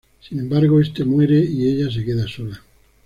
Sin embargo, este muerte y ella se queda sola.